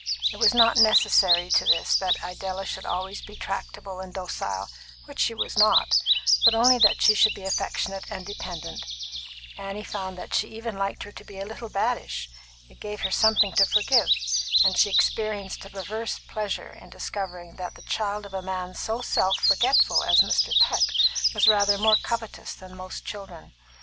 It was not necessary to this that Idella should be always tractable and docile, which she was not, but only that she should be affectionate and dependent; Annie found that she even liked her to be a little baddish; it gave her something to forgive; and she experienced a perverse pleasure in discovering that the child of a man so self forgetful as Mr. Peck was rather more covetous than most children.